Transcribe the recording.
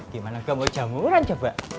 gimana gak mau jam orang coba